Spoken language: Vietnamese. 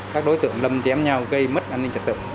các đối tượng lâm chém nhau gây mất an ninh trật tự